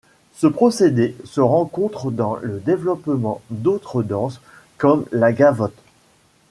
Ce procédé se rencontre dans le développement d'autres danses comme la gavotte.